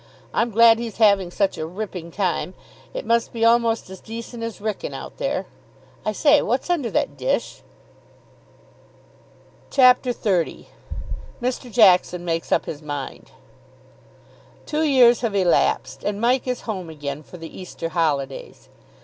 "I'm glad he's having such a ripping time. It must be almost as decent as Wrykyn out there.... I say, what's under that dish?" CHAPTER XXX MR. JACKSON MAKES UP HIS MIND Two years have elapsed and Mike is home again for the Easter holidays.